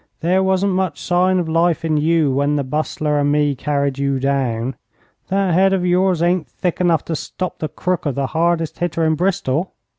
'There wasn't much sign of life in you when the Bustler and me carried you down. That head of yours ain't thick enough to stop the crook of the hardest hitter in Bristol.'